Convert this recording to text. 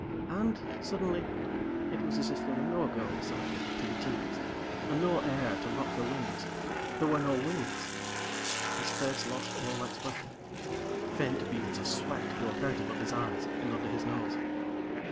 And, suddenly, it was as if there were no girl beside him, to be teased, and no air to rock the wings there were no wings. His face lost all expression. Faint beads of sweat broke out above his eyes and under his nose.